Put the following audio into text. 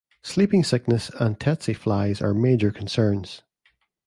Sleeping sickness and tsetse flies are major concerns.